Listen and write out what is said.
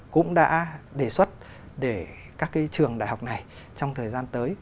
cũng đã đề xuất để các trường đại học này trong thời gian tới